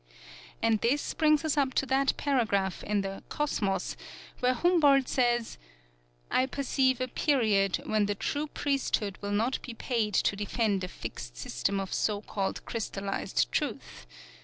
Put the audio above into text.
And this brings us up to that paragraph in the "Cosmos" where Humboldt says: "I perceive a period when the true priesthood will not be paid to defend a fixed system of so called crystallized truth.